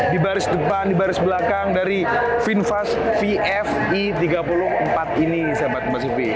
di baris depan di baris belakang dari vinfast vf i tiga puluh empat ini sobatkomunikasi tv